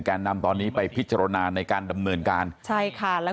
นำตอนนี้ไปพิจารณาในการดำเนินการใช่ค่ะแล้ว